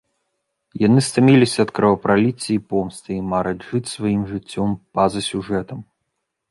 Яны стаміліся ад кровапраліцця і помсты і мараць жыць сваім жыццём па-за сюжэтам.